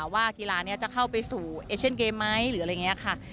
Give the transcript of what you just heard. ว่ากีฬานี้จะเข้าไปสู่เอเชียนเกมไหมหรืออะไรอย่างนี้ค่ะ